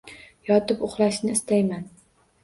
Yotib uxlashni istayman.